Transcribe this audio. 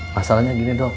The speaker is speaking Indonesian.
masalahnya gini dok